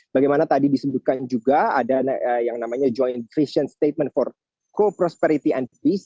bagaimana tadi disebutkan juga ada yang namanya joint vision statement for co prosperity and peace